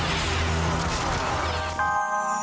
kau jadilah jari super yed driven pusat pht